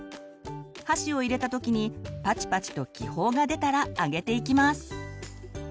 箸を入れたときにパチパチと気泡が出たら揚げていきます。